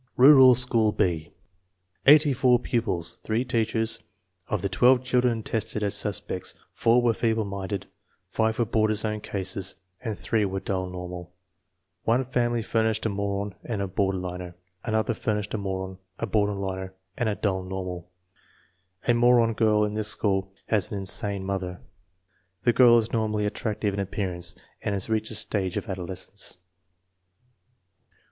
Rural School B. Eighty four pupils, 3 teachers. Of the 12 children tested as suspects, 4 were feeble minded, 5 were border zone cases, and 3 were dull normal. One family furnished a moron and a border liner; another furnished a moron, a border liner, and a dull normal. A moron girl in this school has an insane mother. The girl is normally at tractive in appearance and has reached the stage of ado lescence.